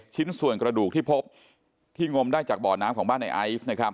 ชิ้นส่วนกระดูกที่พบที่งมได้จากบ่อน้ำของบ้านในไอซ์นะครับ